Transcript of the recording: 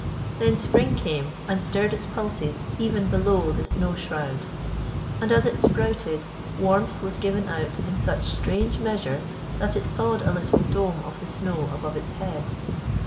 Then spring came and stirred its pulses even below the snow shroud. And as it sprouted, warmth was given out in such strange measure that it thawed a little dome of the snow above its head.